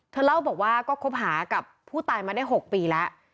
เล่าบอกว่าก็คบหากับผู้ตายมาได้๖ปีแล้ว